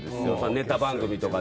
ネタ番組とか。